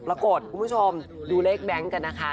คุณผู้ชมดูเลขแบงค์กันนะคะ